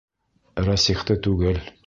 Рәсихте түгел!